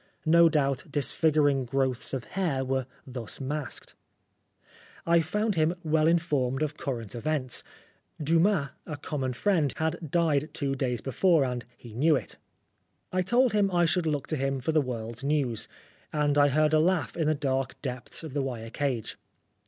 No doubt disfiguring growths of hair were thus masked. I found 213 Oscar Wilde him well informed of current events. Dumas, a common friend, had died two days before, and he knew it. I told him I should look to him for the world's news, and I heard a laugh in the dark depths of the wire cage.